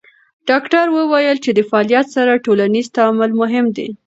ډاکټره وویل چې د فعالیت سره ټولنیز تعامل مهم دی.